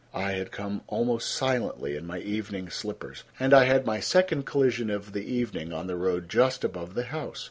I had come almost silently in my evening slippers, and I had my second collision of the evening on the road just above the house.